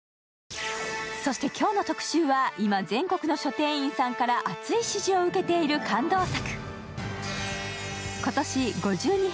そして今日の特集は今、全国の書店員さんから熱い支持を受けている感動作。